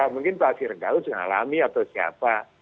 mungkin pak sirgaus mengalami atau siapa